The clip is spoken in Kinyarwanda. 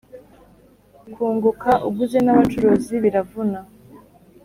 kunguka uguze n’abacuruzi biravuna